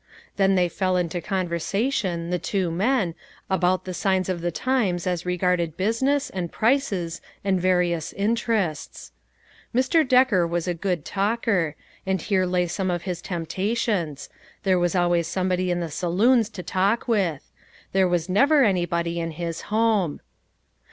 Then they fell into conversation, the two men, about the signs of the times as regarded business, and prices, and various interests. Mr. Decker was a good talker, and here lay some of his tempta tions ; there was always somebody in the saloons to talk with ; there was never anybody in his home.